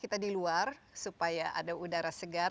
kita di luar supaya ada udara segar